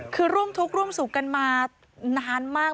คือร่วมทุกข์ร่วมสุขกันมานานมาก